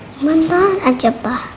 cuman tau aja pa